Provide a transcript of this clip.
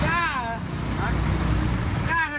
ชอบเล่นเครื่องไว้หรอ